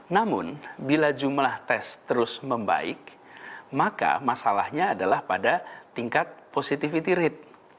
namun bila jumlah tes terus membaik maka masalahnya adalah pada tingkat positivity rate